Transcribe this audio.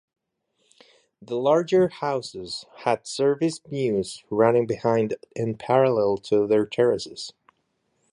The larger houses had service mews running behind and parallel to their terraces.